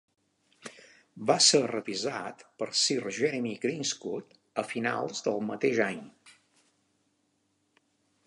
Va ser revisat per Sir Jeremy Greenstock a finals del mateix any.